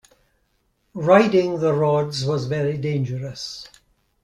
Riding the rods was very dangerous.